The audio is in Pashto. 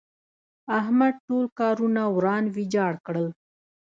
احمد ټول کارونه وران ويجاړ کړل.